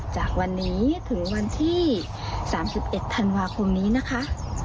จากวันนี้ถึงวันที่๓๑ธันวาคมนี้นะคะ